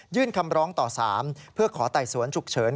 คำร้องต่อสารเพื่อขอไต่สวนฉุกเฉิน